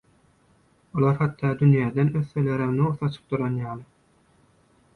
Olar hatda dünýeden ötselerem nur saçyp duran ýaly…